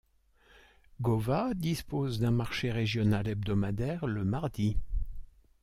Gova dispose d'un marché régional hebdomadaire le mardi.